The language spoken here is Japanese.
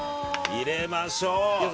入れましょう！